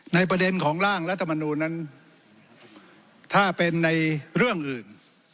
ประเด็นของร่างรัฐมนูลนั้นถ้าเป็นในเรื่องอื่น